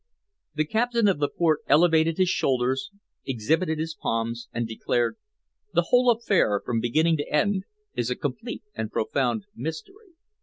The Captain of the Port elevated his shoulders, exhibited his palms, and declared "The whole affair from beginning to end is a complete and profound mystery."